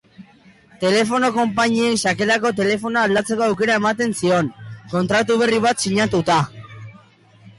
Telefono konpainiak sakelako telefonoa aldatzeko aukera ematen zion, kontratu berri bat sinatuta.